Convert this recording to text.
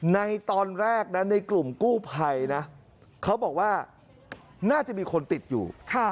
ในตอนแรกนะในกลุ่มกู้ภัยนะเขาบอกว่าน่าจะมีคนติดอยู่